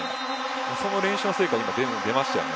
その練習の成果が出ましたよね。